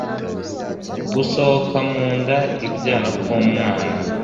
Gusohoka mu nda ibyara k'umwana